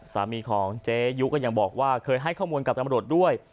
สามีของเจ๊ยุก็ยังบอกว่าเคยให้ข้อมูลกับตำรวจด้วย